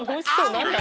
何だ？